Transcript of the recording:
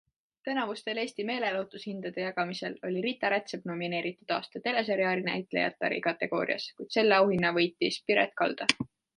Tänavustel Eesti meelelahutusahindade jagamisel oli Rita Rätsepp nomineeritud aasta teleseriaali näitlejatari kategoorias, kuid selle auhinna võttis Piret Kalda.